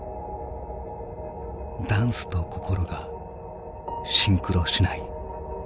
「ダンス」と「心」がシンクロしない。